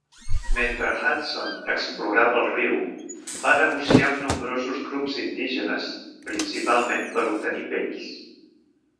Mentre Hudson explorava el riu va negociar amb nombrosos grups indígenes, principalment per obtenir pells.